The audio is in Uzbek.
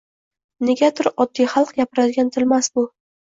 Negadir oddiy xalq gapiradigan tilmas bu.